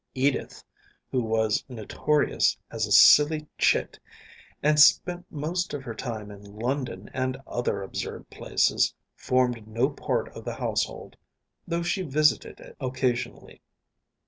Edith, who was notorious as a silly chit and spent most of her time in London and other absurd places, formed no part of the household, though she visited it occasionally.